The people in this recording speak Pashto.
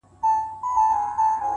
• درې ملګري وه یو علم بل عزت وو,